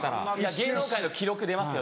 芸能界の記録出ますよ